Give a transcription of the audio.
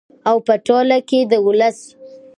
او په ټوله کې د ولس